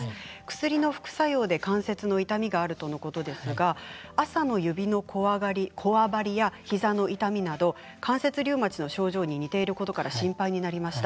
薬の副作用で関節の痛みがあるということですが朝の指のこわばりや膝の痛みなど関節リウマチの症状に似ていることから心配になりました。